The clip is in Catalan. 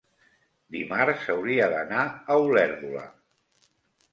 dimarts hauria d'anar a Olèrdola.